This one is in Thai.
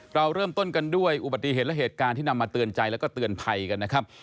เราเริ่มต้นกันด้วยอุบัติเหตุและเหตุการณ์ที่นำมาเตือนใจแล้วก็เตือนภัยกันนะครับ